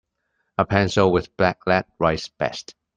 A pencil with black lead writes best.